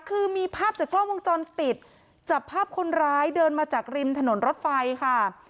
คือมีภาพจากกล้องวงจรปิดจับภาพคนร้ายเดินมาจากริมถนนรถไฟค่ะ